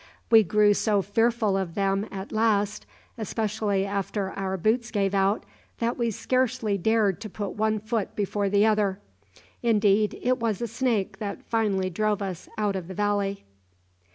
We grew so fearful of them at last, especially after our boots gave out, that we scarcely dared to put one foot before the other; indeed it was a snake that finally drove us out of the valley."